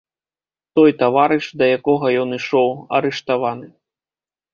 Той таварыш, да якога ён ішоў, арыштаваны.